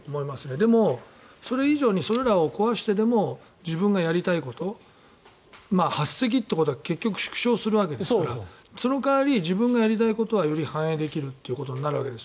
でも、それ以上にそれらを壊してでも自分がやりたいこと８席って結局、縮小するわけですからその代わり自分がやりたいことはより反映できるということになるわけです。